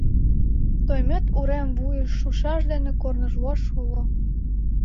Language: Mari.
Тоймет урем вуйыш шушаш дене корнывож уло.